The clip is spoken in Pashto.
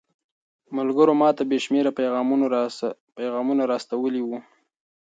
ملګرو ماته بې شمېره پيغامونه را استولي وو.